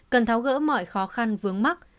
cần tháo gỡ mọi khó khăn vướng mắt